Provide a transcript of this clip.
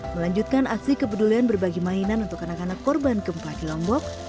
melanjutkan aksi kepedulian berbagi mainan untuk anak anak korban gempa di lombok